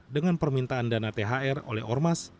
dengan permintaan dana thr oleh ormas